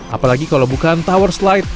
apalagi kalau bukan tower slide